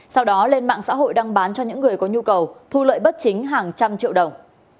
sau đó lên mạng xã hội đang bán cho những người có nhu cầu thu lợi bất chính hàng trăm triệu đồng